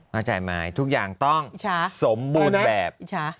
เข้าใจไหมทุกอย่างต้องสมบูรณ์แบบ